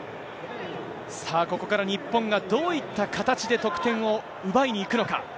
さあ、ここから日本がどういった形で得点を奪いにいくのか。